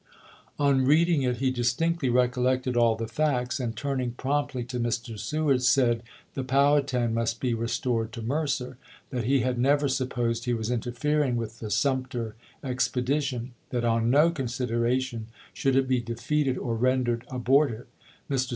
On reading it he distinctly recollected all the facts, and, turning promptly to Mr. Seward, said the Powhatan must be restored to Mercer ; that he had never supposed he was interfering with the Sumter expedition ; that on no con sideration should it be defeated or rendered abortive. Mr.